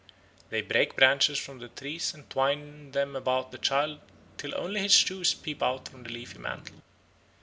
They break branches from the trees and twine them about the child till only his shoes peep out from the leafy mantle.